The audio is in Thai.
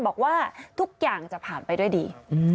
บอกว่าทุกอย่างจะผ่านไปด้วยดี